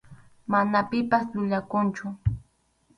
Mana pipas yuyakunchu.